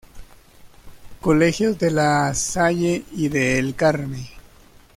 Colegios de La Salle y de El Carme.